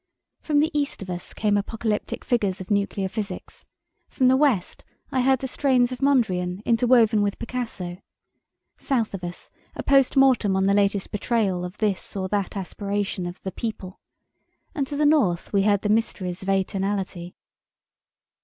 From the east of us came apocalyptic figures of nuclear physics; from the west, I heard the strains of Mondrian interwoven with Picasso; south of us, a post mortem on the latest "betrayal" of this or that aspiration of "the people", and to the north, we heard the mysteries of atonality.